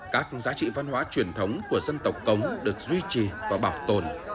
các giá trị văn hóa truyền thống của dân tộc cống được duy trì và bảo tồn